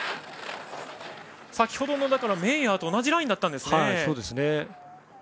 先ほどのメイヤーと同じラインだったんですね。